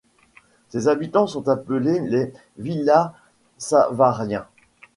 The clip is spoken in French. Ses habitants sont appelés les Villasavariens.